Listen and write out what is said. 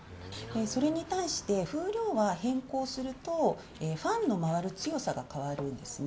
それに対して、風量は変更すると、ファンの回る強さが変わるんですね。